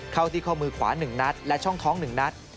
เข้าที่ข้อมือขวา๑นัดและช่องท้อง๑นัด